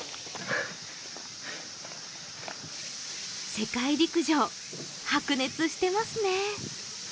世界陸上、白熱してますね。